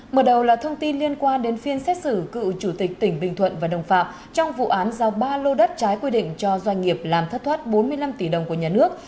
mở đầu là thông tin liên quan đến phiên xét xử cựu chủ tịch tỉnh bình thuận và đồng phạm trong vụ án giao ba lô đất trái quy định cho doanh nghiệp làm thất thoát bốn mươi năm tỷ đồng của nhà nước